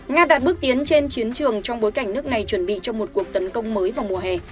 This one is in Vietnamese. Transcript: nga đạt bước tiến trên chiến trường trong bối cảnh nước này chuẩn bị cho một cuộc tấn công mới vào mùa hè